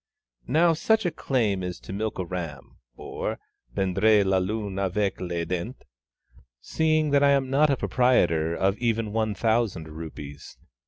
Now such a claim is to milk a ram, or prendre la lune avec les dents, seeing that I am not a proprietor of even one thousand rupees.